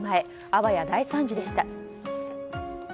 あわや大惨事でした。